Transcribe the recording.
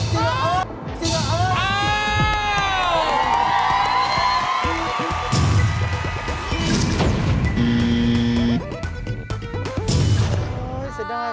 เสียเอาะเสียเอาะเสียเอาะ